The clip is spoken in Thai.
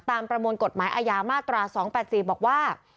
ประมวลกฎหมายอาญามาตรา๒๘๔บอกว่า